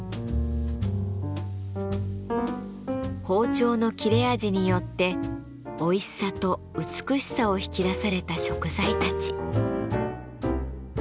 包丁の切れ味によっておいしさと美しさを引き出された食材たち。